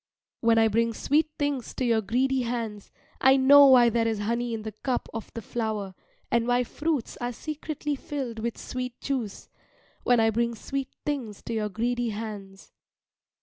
When I bring sweet things to your greedy hands, I know why there is honey in the cup of the flower, and why fruits are secretly filled with sweet juice when I bring sweet things to your greedy hands.